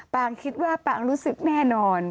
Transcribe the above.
คิดว่าปางรู้สึกแน่นอน